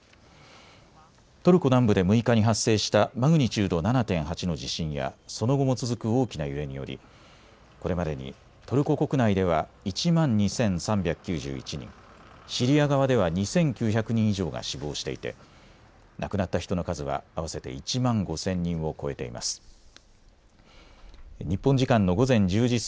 トルコ南部で６日に発生したマグニチュード７．８の地震やその後も続く大きな揺れによりこれまでにトルコ国内では１万２３９１人、シリア側では２９００人以上が死亡していて亡くなった人の数は合わせて１万５０００人を超えています。